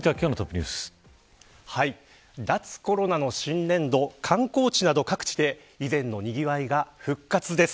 脱コロナの新年度観光地など、各地で以前のにぎわいが復活です。